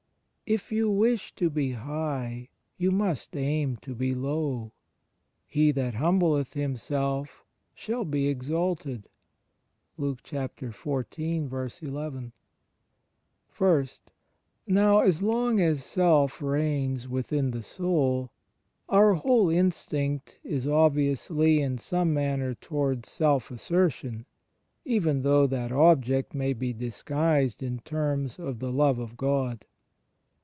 "If you wish to be high, you must aim to be low." ... "He that hiunbleth himself shall be exalted." * (i) Now, as long as Self reigns within the soul, our whole instinct is, obviously, in some manner towards self assertion, even though that object may be disguised in terms of the Love of God.